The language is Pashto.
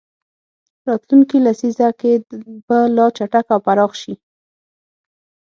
راتلونکې لسیزه کې به لا چټک او پراخ شي.